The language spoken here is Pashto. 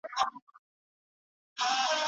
اې زما یارانو،